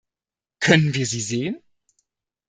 Können wir sie sehen?